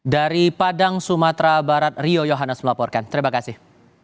dari padang sumatera barat rio yohanes melaporkan terima kasih